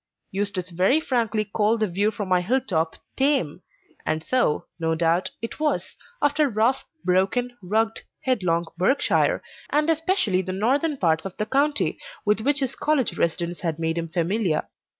Eustace very frankly called the view from my hill top tame; and so, no doubt, it was, after rough, broken, rugged, headlong Berkshire, and especially the northern parts of the county, with which his college residence had made him familiar.